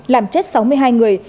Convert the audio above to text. làm chết sáu mươi hai người